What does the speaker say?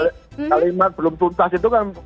kalimat belum tuntas itu kan